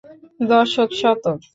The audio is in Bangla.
দশক, শতক।